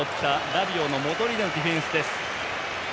ラビオの戻ってのディフェンス。